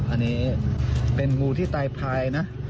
อันนี้เป็นงูที่ตายพายนะ